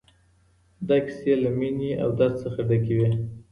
دا کيسې له مينې او درد څخه ډکې وې.